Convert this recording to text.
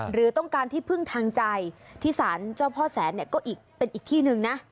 หรือต้องการที่พึ่งทางใจที่สารเจ้าพ่อแสนเนี่ยก็เป็นอีกที่หนึ่งนะ